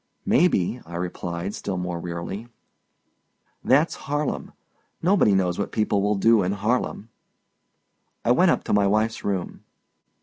"May be," I replied, still more wearily. "That's Harlem. Nobody knows what people will do in Harlem." I went up to my wife's room.